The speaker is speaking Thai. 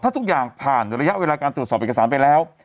ถ้าทุกอย่างผ่านระยะเวลาการตรวจสอบเอกสารไปแล้ว